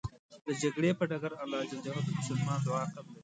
د جګړې په ډګر الله ج د مسلمان دعا قبلوی .